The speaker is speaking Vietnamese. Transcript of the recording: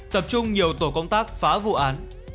tập trung nhiều tổ công tác phá vụ án